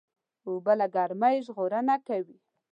اوبه له ګرمۍ ژغورنه کوي.